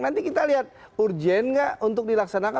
nanti kita lihat urgen enggak untuk dilaksanakan